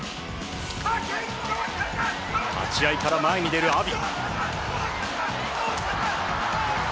立ち合いから前に出る阿炎。